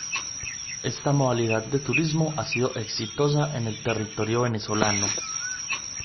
Esta modalidad de turismo ha sido exitosa en el territorio venezolano.